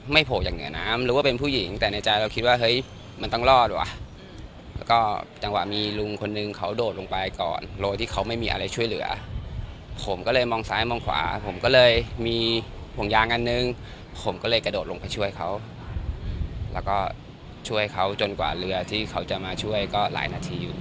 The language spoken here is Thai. โผล่จากเหนือน้ำหรือว่าเป็นผู้หญิงแต่ในใจเราคิดว่าเฮ้ยมันต้องรอดว่ะแล้วก็จังหวะมีลุงคนนึงเขาโดดลงไปก่อนโดยที่เขาไม่มีอะไรช่วยเหลือผมก็เลยมองซ้ายมองขวาผมก็เลยมีห่วงยางอันหนึ่งผมก็เลยกระโดดลงไปช่วยเขาแล้วก็ช่วยเขาจนกว่าเรือที่เขาจะมาช่วยก็หลายนาทีอยู่